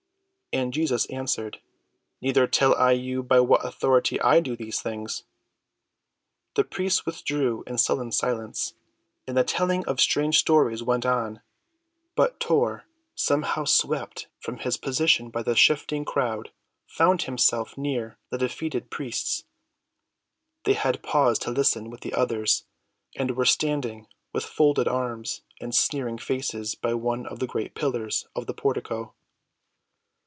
And Jesus replied, "Neither tell I you by what authority I do these things." The priests withdrew in sullen silence, and the telling of strange stories went on; but Tor, somehow swept from his position by the shifting crowd, found himself near the defeated priests. They had paused to listen with the others, and were standing with folded arms and sneering faces by one of the great pillars of the portico.